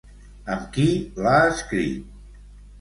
Amb qui l'ha escrit?